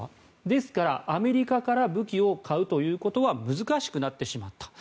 ですから、アメリカから武器を買うということは難しくなってしまった。